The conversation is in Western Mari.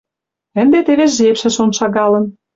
Ӹнде тевеш жепшӹ шон шагалын